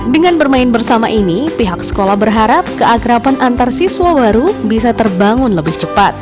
dengan bermain bersama ini pihak sekolah berharap keakrapan antar siswa baru bisa terbangun lebih cepat